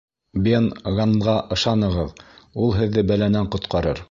Бен Ганнға ышанығыҙ, ул һеҙҙе бәләнән ҡотҡарыр.